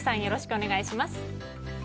よろしくお願いします。